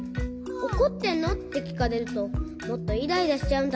「おこってんの？」ってきかれるともっとイライラしちゃうんだな。